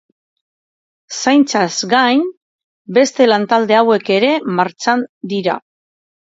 Zaintzaz gain, beste lantalde hauek ere martxan dira.